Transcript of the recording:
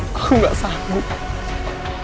aku gak sanggup